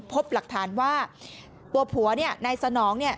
พบหลักฐานว่าตัวผัวเนี่ยนายสนอง